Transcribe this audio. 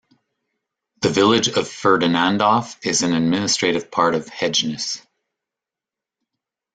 The village of Ferdinandov is an administrative part of Hejnice.